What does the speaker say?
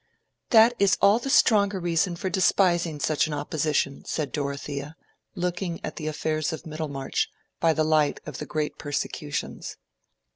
"That is all the stronger reason for despising such an opposition," said Dorothea, looking at the affairs of Middlemarch by the light of the great persecutions.